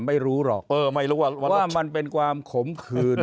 ไม่รู้หรอกว่ามันเป็นความขมขื่น